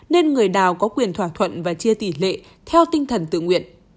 nên người nào có quyền thỏa thuận và chia tỷ lệ theo tinh thần tự nguyện